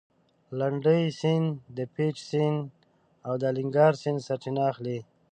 لنډی سیند د پېج سیند او د الینګار سیند سرچینه اخلي.